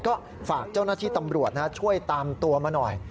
ก็ฝากเจ้าหน้าที่ตำรวจช่วยตามตัวมาหน่อย